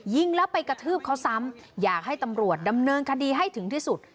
ยิงแล้วไปกระทืบเขาซ้ำอยากให้ตำรวจดำเนินคดีให้ถึงที่สุด